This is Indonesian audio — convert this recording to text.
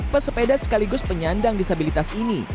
pesepeda sekaligus penyandang disabilitas ini